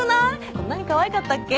こんなにかわいかったっけ？